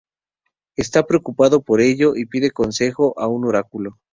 Está preocupado por ello y pide consejo a un oráculo.